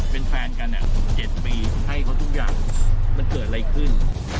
เป็นแฟนกัน๗ปีให้เขาทุกอย่างมันเกิดอะไรขึ้น